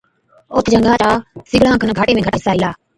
اوهچ جھنگا چا سِگڙان کن گھاٽي ۾ گھاٽا حِصا هِلا،